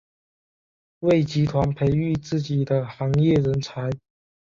为集团培养自己的行业人才。